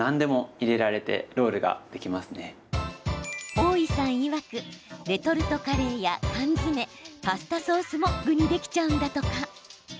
大井さんいわくレトルトカレーや缶詰パスタソースも具にできちゃうんだとか。